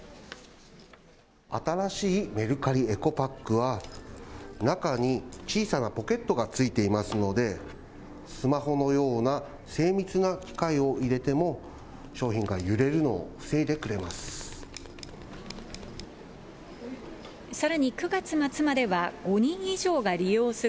新しいメルカリエコパックは、中に小さなポケットがついていますので、スマホのような精密な機械を入れても、商品が揺れるのを防いでくれます。